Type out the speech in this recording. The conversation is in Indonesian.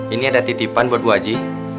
ini ada titipan buat bu haji